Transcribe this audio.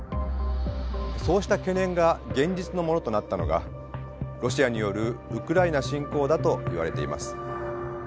そうした懸念が現実のものとなったのがロシアによるウクライナ侵攻だといわれています。